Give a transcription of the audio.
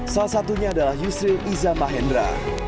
salah satunya adalah yusril iza mahendra